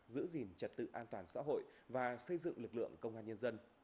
giữ gìn trật tự an toàn xã hội và xây dựng lực lượng công an nhân dân